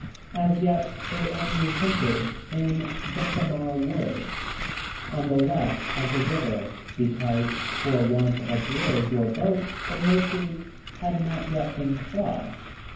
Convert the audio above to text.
As yet, they only hunted in Jacamar Wood, on the left of the river, because, for want of a bridge or boat, the Mercy had not yet been crossed.